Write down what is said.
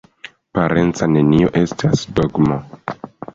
Parenca nocio estas ”dogmo”.